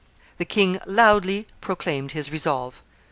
The king loudly proclaimed his resolve.